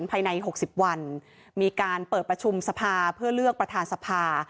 ภายใน๖๐วันมีการเปิดประชุมสภาเพื่อเลือกประธานสภา